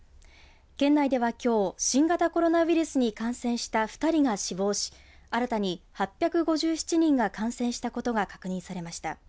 県内では、きょう新型コロナウイルスに感染した２人が死亡し新たに８５７人が感染したことが確認されました。